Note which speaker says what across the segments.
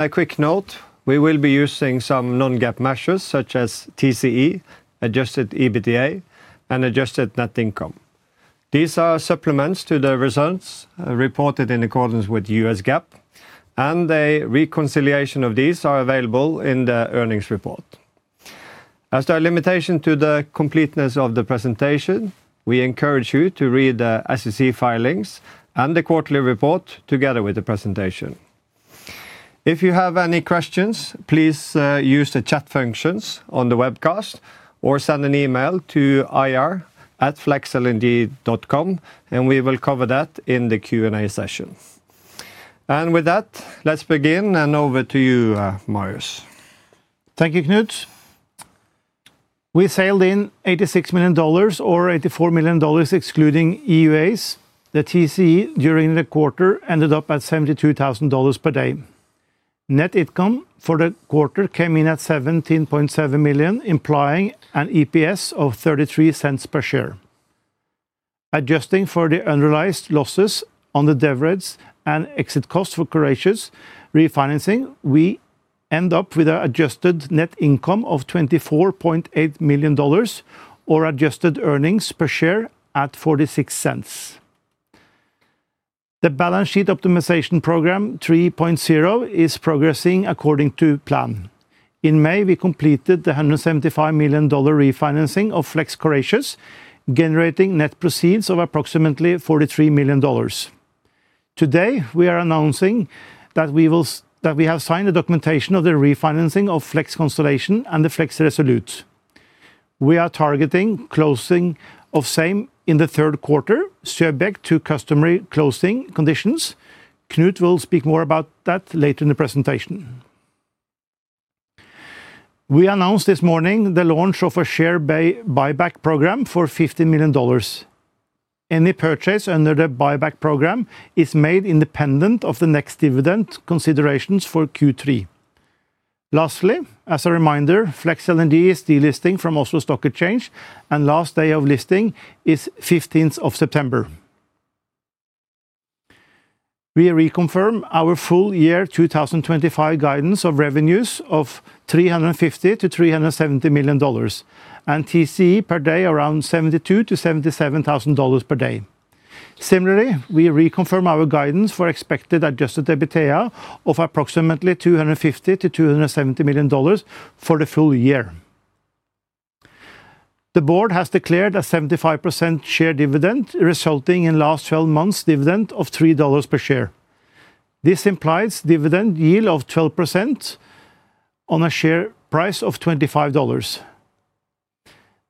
Speaker 1: A quick note: we will be using some non-GAAP measures such as TCE, adjusted EBITDA, and adjusted net income. These are supplements to the results reported in accordance with the U.S. GAAP, and the reconciliation of these is available in the earnings report. As a limitation to the completeness of the presentation, we encourage you to read the SEC filings and the quarterly report together with the presentation. If you have any questions, please use the chat functions on the webcast or send an email to ir@flexlng.com, and we will cover that in the Q&A session. With that, let's begin, and over to you, Marius.
Speaker 2: Thank you, Knut. We sailed in $86 million or $84 million excluding EUAs. The TCE during the quarter ended up at $72,000 per day. Net income for the quarter came in at $17.7 million, implying an EPS of $0.33 per share. Adjusting for the unrealized losses on the derivative and exit costs for Flex Courageous refinancing, we end up with an adjusted net income of $24.8 million or adjusted earnings per share at $0.46. The Balance Sheet Optimization Programme 3.0 is progressing according to plan. In May, we completed the $175 million refinancing of Flex Courageous, generating net proceeds of approximately $43 million. Today, we are announcing that we have signed the documentation of the refinancing of Flex Constellation and Flex Resolute. We are targeting closing of same in the third quarter, subject to customary closing conditions. Knut will speak more about that later in the presentation. We announced this morning the launch of a share buyback program for $50 million. Any purchase under the buyback program is made independent of the next dividend considerations for Q3. Lastly, as a reminder, Flex LNG is delisting from Oslo Stock Exchange, and the last day of listing is 15th of September. We reconfirm our full year 2025 guidance of revenues of $350 million-$370 million and TCE per day around $72,000-$77,000 per day. Similarly, we reconfirm our guidance for expected adjusted EBITDA of approximately $250 million-$270 million for the full year. The board has declared a 75% share dividend resulting in the last 12 months' dividend of $3 per share. This implies a dividend yield of 12% on a share price of $25.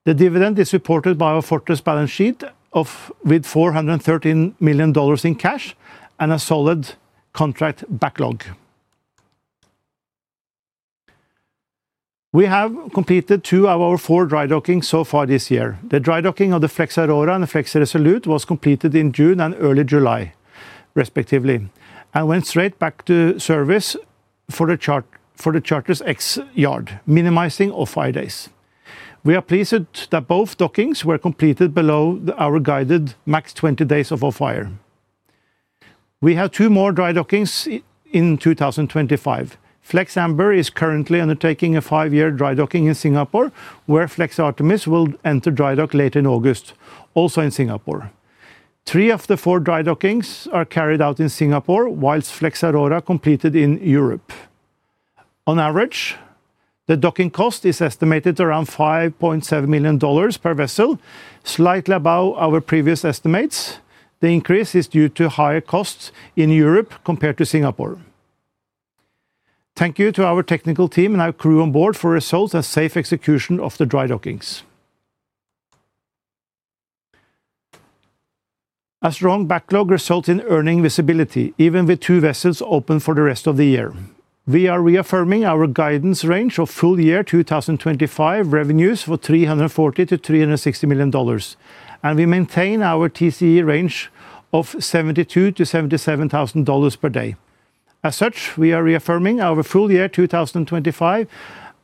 Speaker 2: The dividend is supported by a fortress balance sheet with $413 million in cash and a solid contract backlog. We have completed two of our four drydockings so far this year. The drydocking of Flex Aurora and Flex Resolute was completed in June and early July, respectively, and went straight back to service for the charters, minimizing off-hire days. We are pleased that both dockings were completed below our guided max 20 days of off-hire. We have two more drydockings in 2025. Flex Amber is currently undertaking a five-year drydocking in Singapore, where Flex Artemis will enter drydock later in August, also in Singapore. Three of the four drydockings are carried out in Singapore, while Flex Aurora completed in Europe. On average, the docking cost is estimated around $5.7 million per vessel, slightly above our previous estimates. The increase is due to higher costs in Europe compared to Singapore. Thank you to our technical team and our crew on board for results and safe execution of the drydockings. A strong backlog results in earning visibility, even with two vessels open for the rest of the year. We are reaffirming our guidance range of full year 2025 revenues for $340 million-$360 million, and we maintain our TCE range of $72,000-$77,000 per day. As such, we are reaffirming our full year 2025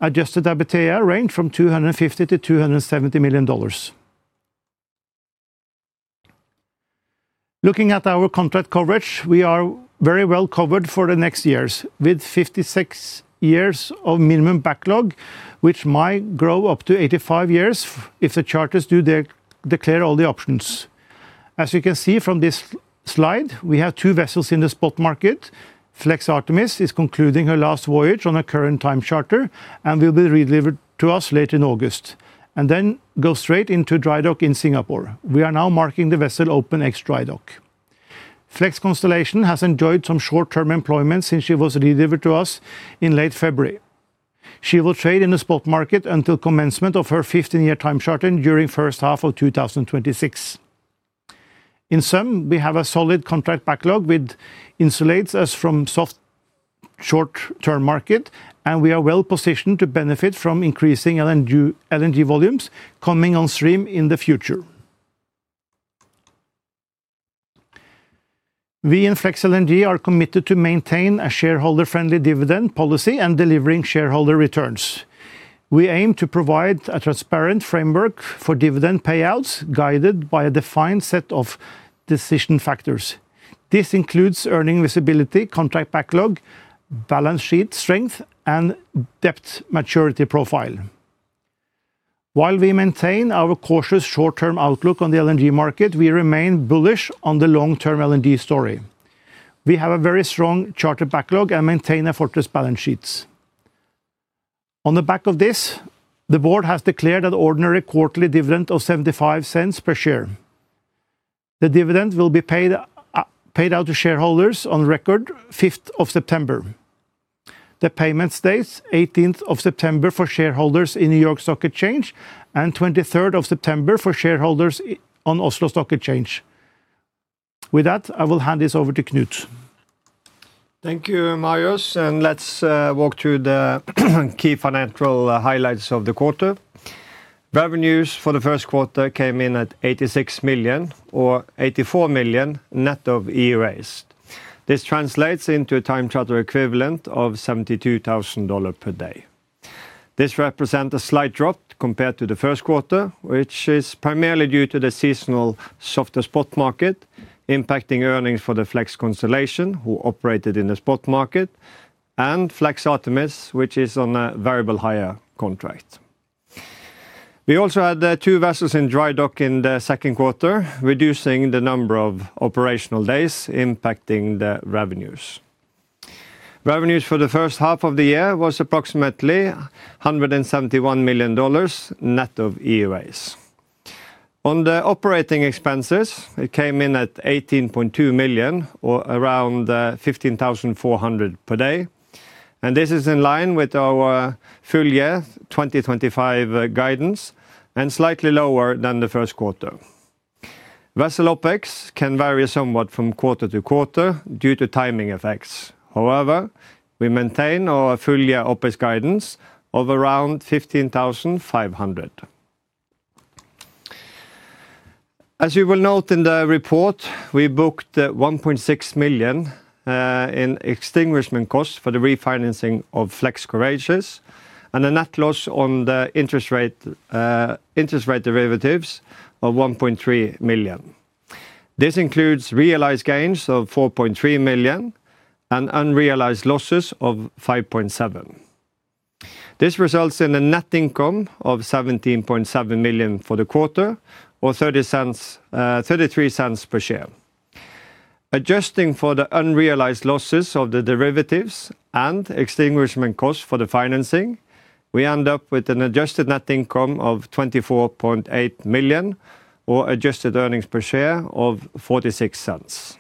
Speaker 2: adjusted EBITDA range from $250 million-$270 million. Looking at our contract coverage, we are very well covered for the next years, with 56 years of minimum backlog, which might grow up to 85 years if the charters do declare all the options. As you can see from this slide, we have two vessels in the spot market. Flex Artemis is concluding her last voyage on a current time charter and will be redelivered to us late in August and then go straight into drydock in Singapore. We are now marking the vessel open ex-drydock. Flex Constellation has enjoyed some short-term employment since she was redelivered to us in late February. She will trade in the spot market until commencement of her 15-year time charter during the first half of 2026. In sum, we have a solid contract backlog, which insulates us from a soft short-term market, and we are well positioned to benefit from increasing LNG volumes coming on stream in the future. We in Flex LNG are committed to maintaining a shareholder-friendly dividend policy and delivering shareholder returns. We aim to provide a transparent framework for dividend payouts guided by a defined set of decision factors. This includes earning visibility, contract backlog, balance sheet strength, and debt maturity profile. While we maintain our cautious short-term outlook on the LNG market, we remain bullish on the long-term LNG story. We have a very strong charter backlog and maintain effortless balance sheets. On the back of this, the board has declared an ordinary quarterly dividend of $0.75 per share. The dividend will be paid out to shareholders on record 5th of September. The payment dates are 18th of September for shareholders in New York Stock Exchange and 23rd of September for shareholders on Oslo Stock Exchange. With that, I will hand this over to Knut.
Speaker 1: Thank you, Marius, and let's walk through the key financial highlights of the quarter. Revenues for the first quarter came in at $86 million or $84 million net of EUAs. This translates into a time charter equivalent of $72,000 per day. This represents a slight drop compared to the first quarter, which is primarily due to the seasonal softer spot market impacting earnings for the Flex Constellation, which operated in the spot market, and Flex Artemis, which is on a variable hire contract. We also had two vessels in drydock in the second quarter, reducing the number of operational days impacting the revenues. Revenues for the first half of the year were approximately $171 million net of EUAs. On the operating expenses, it came in at $18.2 million or around $15,400 per day, and this is in line with our full year 2025 guidance and slightly lower than the first quarter. Vessel OpEx can vary somewhat from quarter to quarter due to timing effects. However, we maintain our full year OpEx guidance of around $15,500. As you will note in the report, we booked $1.6 million in extinguishment costs for the refinancing of Flex Courageous and a net loss on the interest rate derivatives of $1.3 million. This includes realized gains of $4.3 million and unrealized losses of $5.7 million. This results in a net income of $17.7 million for the quarter or $0.33 per share. Adjusting for the unrealized losses of the derivatives and extinguishment costs for the refinancing, we end up with an adjusted net income of $24.8 million or adjusted earnings per share of $0.46.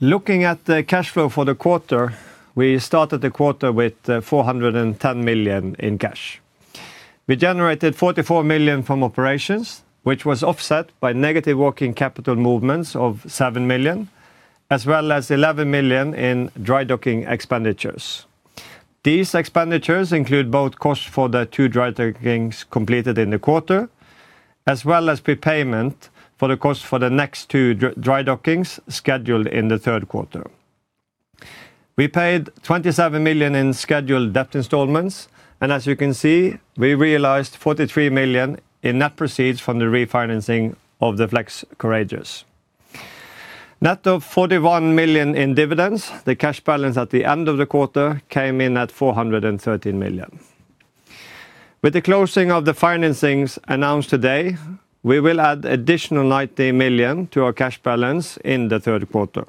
Speaker 1: Looking at the cash flow for the quarter, we started the quarter with $410 million in cash. We generated $44 million from operations, which was offset by negative working capital movements of $7 million, as well as $11 million in drydocking expenditures. These expenditures include both costs for the two drydockings completed in the quarter, as well as prepayment for the costs for the next two drydockings scheduled in the third quarter. We paid $27 million in scheduled debt installments, and as you can see, we realized $43 million in net proceeds from the refinancing of the Flex Courageous. Net of $41 million in dividends, the cash balance at the end of the quarter came in at $413 million. With the closing of the financings announced today, we will add an additional $90 million to our cash balance in the third quarter.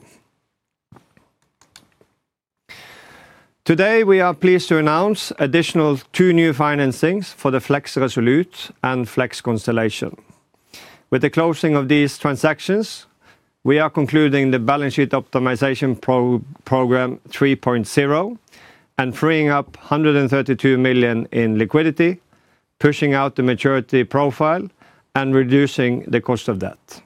Speaker 1: Today, we are pleased to announce two additional new financings for the Flex Resolute and Flex Constellation. With the closing of these transactions, we are concluding the Balance Sheet Optimization Programme 3.0 and freeing up $132 million in liquidity, pushing out the maturity profile, and reducing the cost of debt.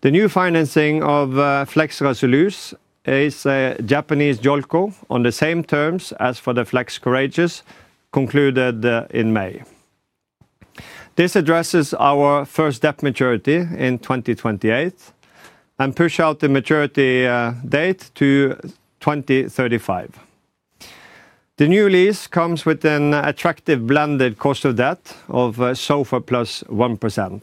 Speaker 1: The new financing of Flex Resolute is Japanese Jolco on the same terms as for the Flex Courageous concluded in May. This addresses our first debt maturity in 2028 and pushes out the maturity date to 2035. The new lease comes with an attractive blended cost of debt of SOFR + 1%.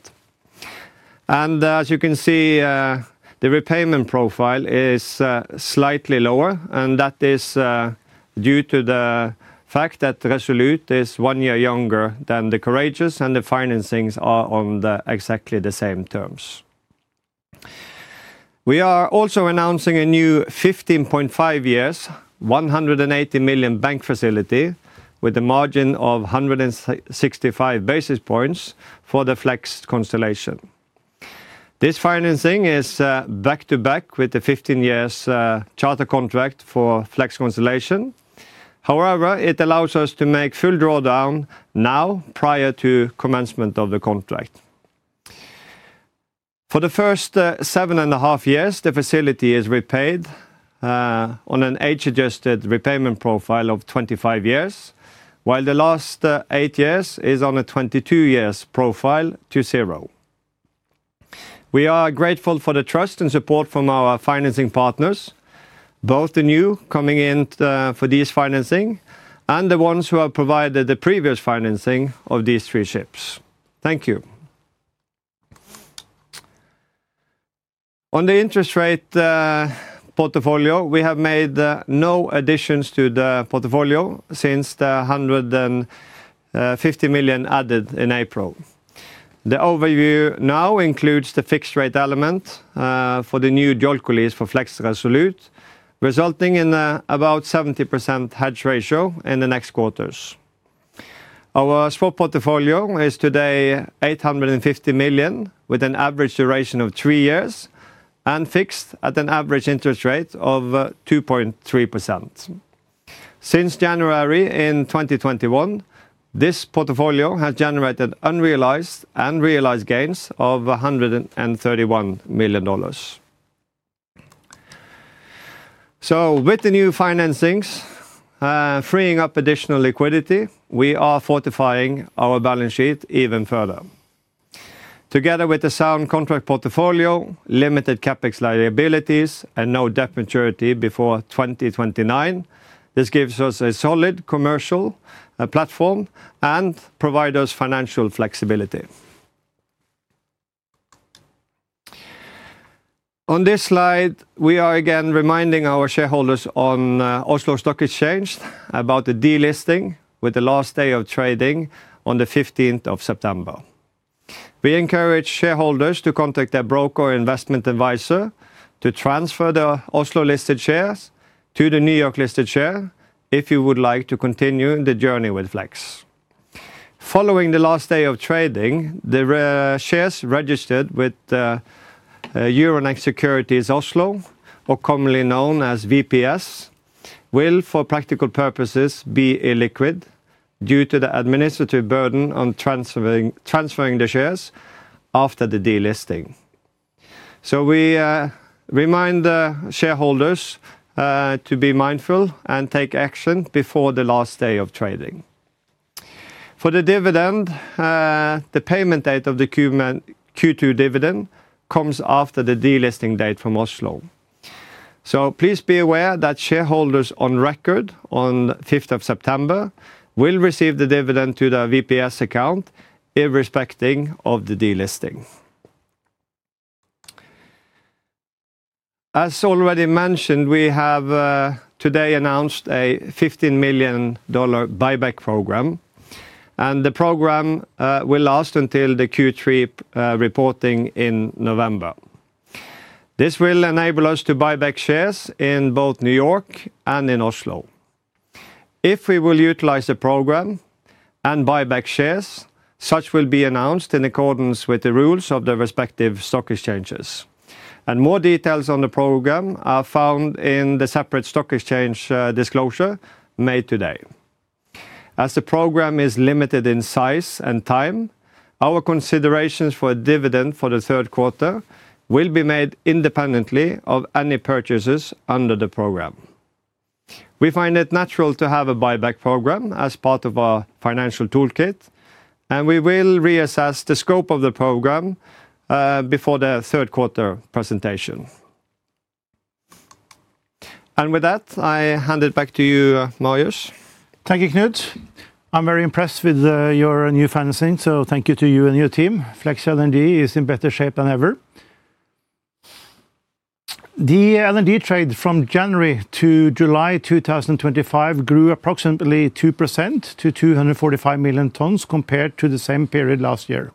Speaker 1: As you can see, the repayment profile is slightly lower, and that is due to the fact that Resolute is one year younger than the Courageous, and the financings are on exactly the same terms. We are also announcing a new 15.5-year, $180 million bank facility with a margin of 165 basis points for the Flex Constellation. This financing is back to back with the 15-year charter contract for Flex Constellation. However, it allows us to make full drawdown now prior to commencement of the contract. For the first seven and a half years, the facility is repaid on an age-adjusted repayment profile of 25 years, while the last eight years is on a 22-year profile to zero. We are grateful for the trust and support from our financing partners, both the new coming in for these financings and the ones who have provided the previous financing of these three ships. Thank you. On the interest rate portfolio, we have made no additions to the portfolio since the $150 million added in April. The overview now includes the fixed rate element for the new Jolco lease for Flex Resolute, resulting in about a 70% hedge ratio in the next quarters. Our spot portfolio is today $850 million with an average duration of three years and fixed at an average interest rate of 2.3%. Since January 2021, this portfolio has generated unrealized and realized gains of $131 million. With the new financings freeing up additional liquidity, we are fortifying our balance sheet even further. Together with a sound contract portfolio, limited CapEx liabilities, and no debt maturity before 2029, this gives us a solid commercial platform and provides us financial flexibility. On this slide, we are again reminding our shareholders on Oslo Stock Exchange about the delisting with the last day of trading on the 15th of September. We encourage shareholders to contact their broker or investment advisor to transfer the Oslo-listed shares to the New York-listed share if you would like to continue the journey with Flex. Following the last day of trading, the shares registered with Euronext Securities Oslo, or commonly known as VPS, will for practical purposes be illiquid due to the administrative burden on transferring the shares after the delisting. We remind the shareholders to be mindful and take action before the last day of trading. For the dividend, the payment date of the Q2 dividend comes after the delisting date from Oslo. Please be aware that shareholders on record on the 5th of September will receive the dividend to their VPS account irrespective of the delisting. As already mentioned, we have today announced a $15 million buyback program, and the program will last until the Q3 reporting in November. This will enable us to buy back shares in both New York and in Oslo. If we will utilize the program and buy back shares, such will be announced in accordance with the rules of the respective stock exchanges. More details on the program are found in the separate stock exchange disclosure made today. As the program is limited in size and time, our considerations for dividend for the third quarter will be made independently of any purchases under the program. We find it natural to have a buyback program as part of our financial toolkit, and we will reassess the scope of the program before the third quarter presentation. With that, I hand it back to you, Marius.
Speaker 2: Thank you, Knut. I'm very impressed with your new financing, so thank you to you and your team. Flex LNG is in better shape than ever. The LNG trade from January to July, 2025 grew approximately 2% to 245 million tonnes compared to the same period last year.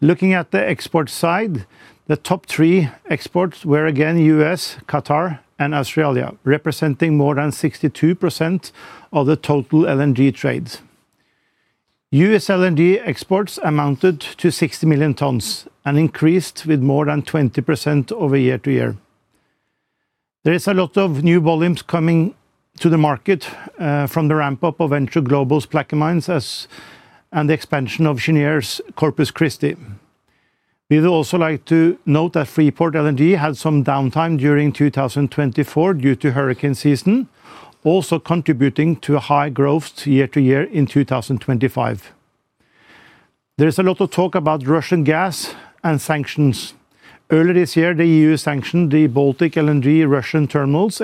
Speaker 2: Looking at the export side, the top three exporters were again U.S., Qatar, and Australia, representing more than 62% of the total LNG trades. U.S. LNG exports amounted to 60 million tonnes and increased with more than 20% year-to-year. There are a lot of new volumes coming to the market from the ramp-up of Venture Global's Plaquemines and the expansion of Cheniere's Corpus Christi. We would also like to note that Freeport LNG had some downtime during 2024 due to hurricane season, also contributing to a high growth year-to-year in 2025. There is a lot of talk about Russian gas and sanctions. Earlier this year, the EU sanctioned the Baltic LNG Russian terminals,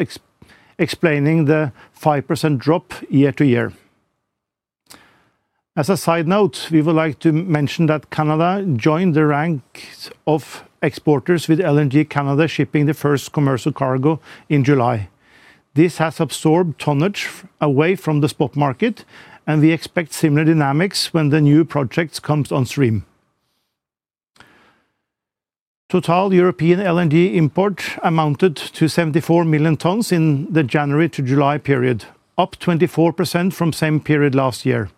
Speaker 2: explaining the 5% drop year-to-year. As a side note, we would like to mention that Canada joined the ranks of exporters with LNG Canada shipping the first commercial cargo in July. This has absorbed tonnage away from the spot market, and we expect similar dynamics when the new project comes on stream. Total European LNG imports amounted to 74 million tonnes in the January to July period, up 24% from the same period last year.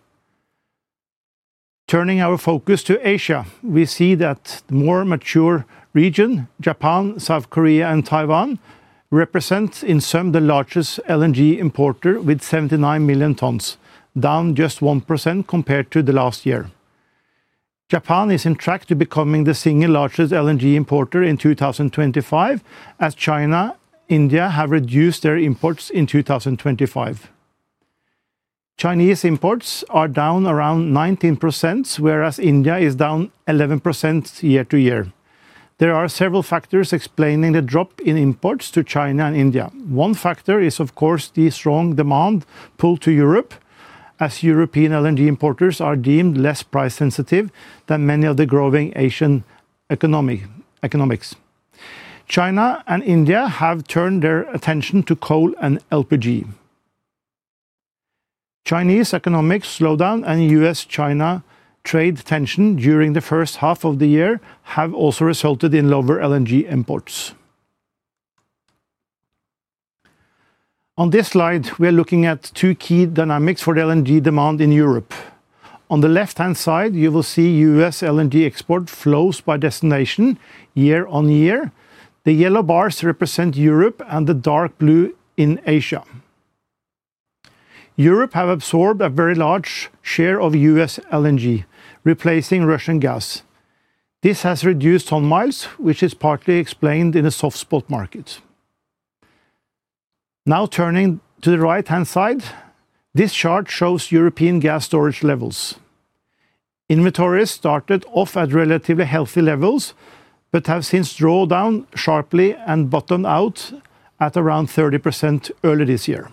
Speaker 2: Turning our focus to Asia, we see that the more mature region, Japan, South Korea, and Taiwan represent, in sum, the largest LNG importer with 79 million tonnes, down just 1% compared to last year. Japan is on track to becoming the single largest LNG importer in 2025, as China and India have reduced their imports in 2025. Chinese imports are down around 19%, whereas India is down 11% year-to-year. There are several factors explaining the drop in imports to China and India. One factor is, of course, the strong demand pull to Europe, as European LNG importers are deemed less price-sensitive than many of the growing Asian economies. China and India have turned their attention to coal and LPG. Chinese economic slowdown and U.S.-China trade tension during the first half of the year have also resulted in lower LNG imports. On this slide, we are looking at two key dynamics for the LNG demand in Europe. On the left-hand side, you will see U.S. LNG export flows by destination year-on-year. The yellow bars represent Europe and the dark blue in Asia. Europe has absorbed a very large share of U.S. LNG, replacing Russian gas. This has reduced ton miles, which is partly explained in the soft spot market. Now turning to the right-hand side, this chart shows European gas storage levels. Inventories started off at relatively healthy levels but have since drawn down sharply and bottomed out at around 30% earlier this year.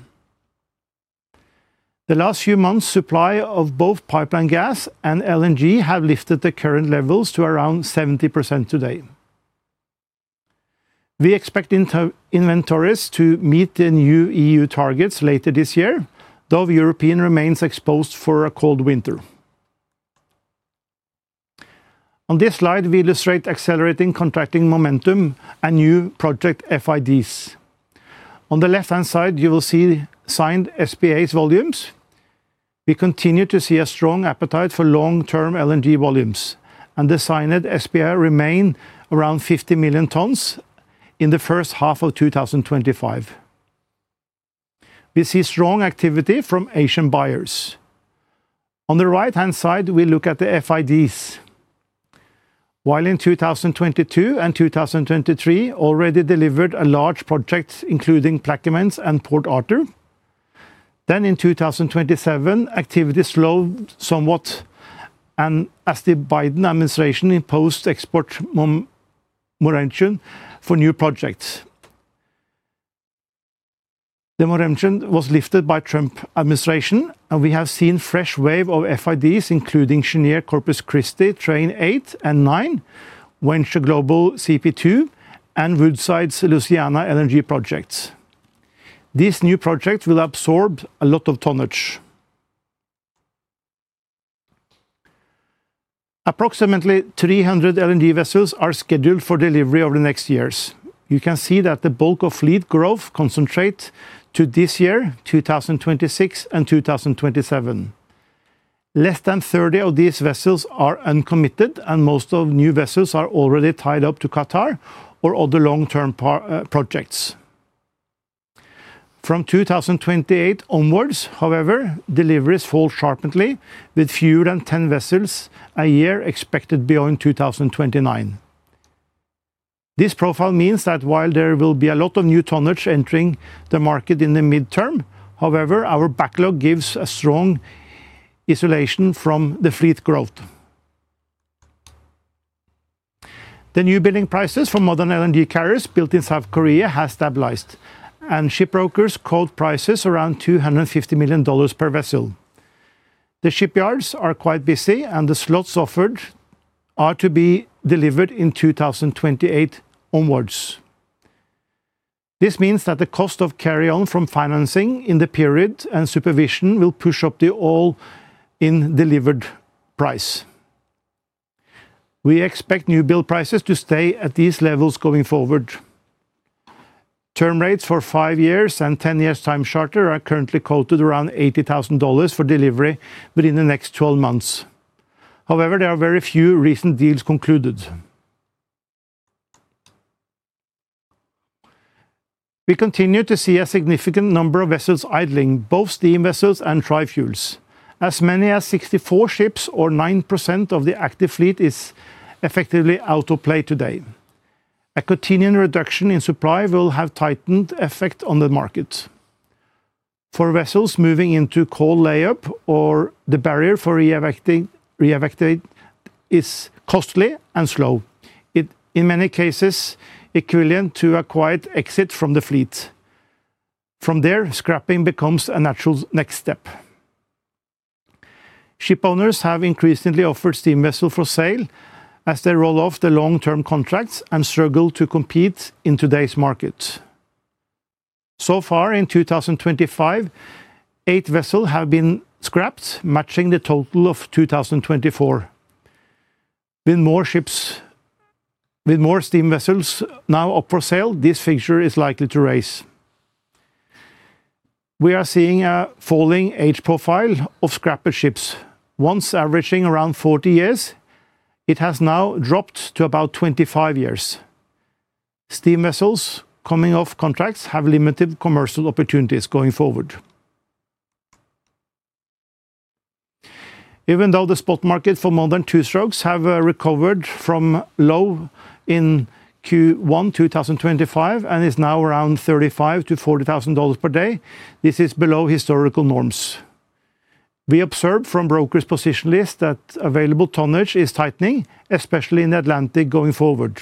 Speaker 2: The last few months' supply of both pipeline gas and LNG have lifted the current levels to around 70% today. We expect inventories to meet the new EU targets later this year, though Europe remains exposed for a cold winter. On this slide, we illustrate accelerating contracting momentum and new project FIDs. On the left-hand side, you will see signed SPA volumes. We continue to see a strong appetite for long-term LNG volumes, and the signed SPA remain around 50 million tonnes in the first half of 2025. We see strong activity from Asian buyers. On the right-hand side, we look at the FIDs. While in 2022 and 2023 already delivered large projects, including Plaquemines and Port Arthur, in 2027 activity slowed somewhat as the Biden administration imposed export moratorium for new projects. The moratorium was lifted by the Trump administration, and we have seen a fresh wave of FIDs, including Cheniere Corpus Christi, Train 8 and 9, Venture Global CP2, and Woodside's Louisiana LNG projects. These new projects will absorb a lot of tonnage. Approximately 300 LNG vessels are scheduled for delivery over the next years. You can see that the bulk of fleet growth concentrates to this year, 2026, and 2027. Less than 30 of these vessels are uncommitted, and most of the new vessels are already tied up to Qatar or other long-term projects. From 2028 onwards, however, deliveries fall sharply with fewer than 10 vessels a year expected beyond 2029. This profile means that while there will be a lot of new tonnage entering the market in the midterm, our backlog gives a strong isolation from the fleet growth. The newbuilding prices for modern LNG carriers built in South Korea have stabilized, and ship brokers quote prices around $250 million per vessel. The shipyards are quite busy, and the slots offered are to be delivered in 2028 onwards. This means that the cost of carry-on from financing in the period and supervision will push up the all-in delivered price. We expect newbuild prices to stay at these levels going forward. Term rates for five years and 10 years time charter are currently quoted around $80,000 for delivery within the next 12 months. However, there are very few recent deals concluded. We continue to see a significant number of vessels idling, both steam vessels and tri-fuels. As many as 64 ships or 9% of the active fleet is effectively out of play today. A continued reduction in supply will have a tightened effect on the market. For vessels moving into cold layup, the barrier for re-evacuating is costly and slow. In many cases, it's equivalent to a quiet exit from the fleet. From there, scrapping becomes a natural next step. Shipowners have increasingly offered steam vessels for sale as they roll off the long-term contracts and struggle to compete in today's market. So far, in 2025, eight vessels have been scrapped, matching the total of 2024. With more steam vessels now up for sale, this figure is likely to rise. We are seeing a falling age profile of scrapped ships. Once averaging around 40 years, it has now dropped to about 25 years. Steam vessels coming off contracts have limited commercial opportunities going forward. Even though the spot market for modern two-strokes has recovered from low in Q1 2025 and is now around $35,000-$40,000 per day, this is below historical norms. We observe from brokers' position lists that available tonnage is tightening, especially in the Atlantic going forward.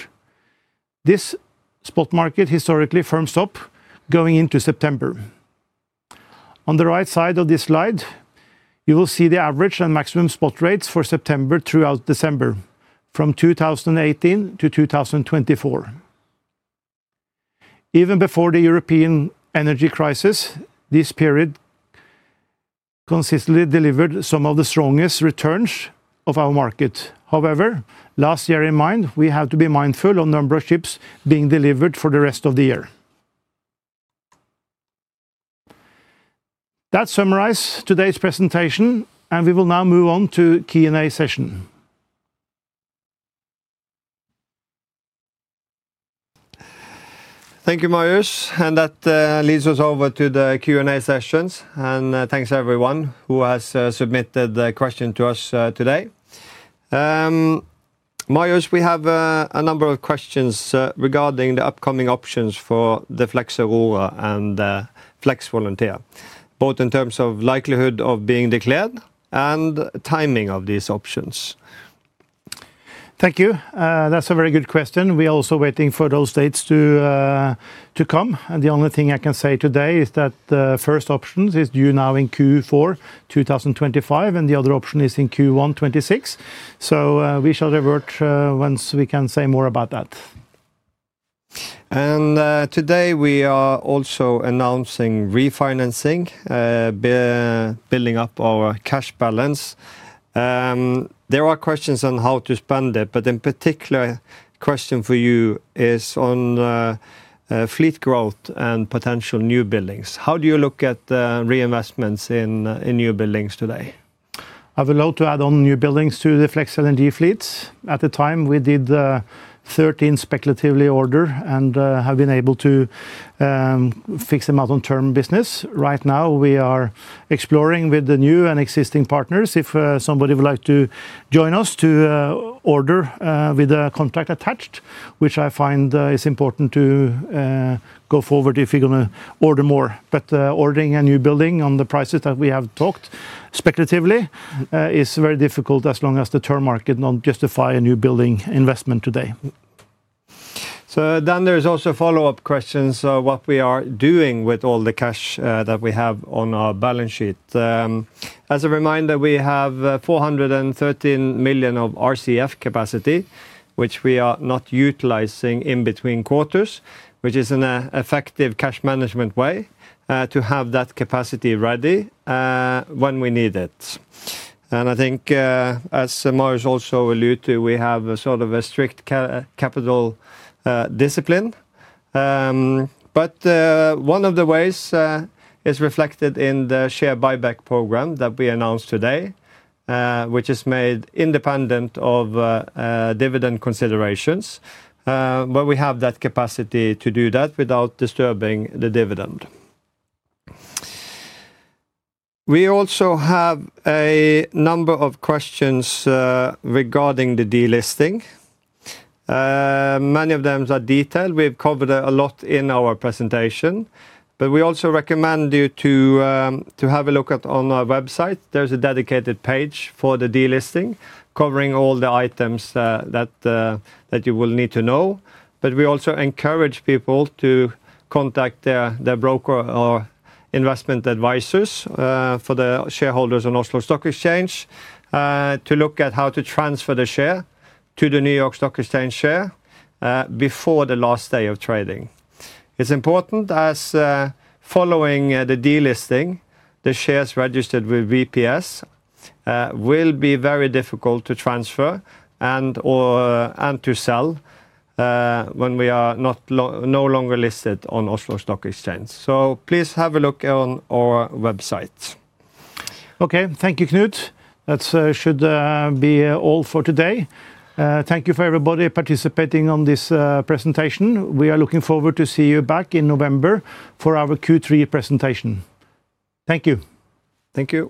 Speaker 2: This spot market historically firms up going into September. On the right side of this slide, you will see the average and maximum spot rates for September through December, from 2018 to 2024. Even before the European energy crisis, this period consistently delivered some of the strongest returns of our market. However, last year in mind, we have to be mindful of the number of ships being delivered for the rest of the year. That summarizes today's presentation, and we will now move on to the Q&A session.
Speaker 1: Thank you, Marius, that leads us over to the Q&A sessions. Thank you to everyone who has submitted questions to us today. Marius, we have a number of questions regarding the upcoming options for the Flex Aurora and Flex Volunteer, both in terms of the likelihood of being declared and the timing of these options.
Speaker 2: Thank you. That's a very good question. We are also waiting for those dates to come. The only thing I can say today is that the first option is due now in Q4 2025, and the other option is in Q1 2026. We shall revert once we can say more about that.
Speaker 1: Today, we are also announcing refinancing, building up our cash balance. There are questions on how to spend it, in particular, a question for you is on fleet growth and potential new buildings. How do you look at reinvestments in new buildings today?
Speaker 2: I would love to add on new buildings to the Flex LNG fleets. At the time, we did 13 speculatively ordered and have been able to fix them out on term business. Right now, we are exploring with the new and existing partners if somebody would like to join us to order with a contract attached, which I find is important to go forward if you're going to order more. Ordering a new building on the prices that we have talked speculatively is very difficult as long as the term market does not justify a new building investment today.
Speaker 1: There is also a follow-up question: what we are doing with all the cash that we have on our balance sheet. As a reminder, we have $413 million of RCF capacity, which we are not utilizing in between quarters, which is an effective cash management way to have that capacity ready when we need it. I think, as Marius also alluded to, we have a sort of a strict capital discipline. One of the ways is reflected in the share buyback program that we announced today, which is made independent of dividend considerations, where we have that capacity to do that without disturbing the dividend. We also have a number of questions regarding the delisting. Many of them are detailed. We've covered a lot in our presentation, but we also recommend you to have a look at it on our website. There is a dedicated page for the delisting covering all the items that you will need to know, but we also encourage people to contact their broker or investment advisors for the shareholders on Oslo Stock Exchange to look at how to transfer the share to the New York Stock Exchange share before the last day of trading. It's important as following the delisting, the shares registered with VPS will be very difficult to transfer and/or to sell when we are no longer listed on Oslo Stock Exchange. Please have a look on our websites.
Speaker 2: Okay, thank you, Knut. That should be all for today. Thank you for everybody participating in this presentation. We are looking forward to seeing you back in November for our Q3 presentation. Thank you.
Speaker 1: Thank you.